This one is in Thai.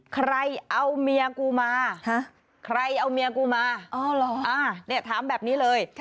ใครเอาเมียกูมาใครเอาเมียกูมาถามแบบนี้เลย